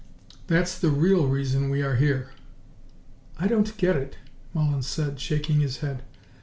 That's the real reason we are here." "I don't get it," Mullins said, shaking his head.